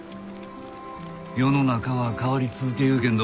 世の中は変わり続けゆうけんど。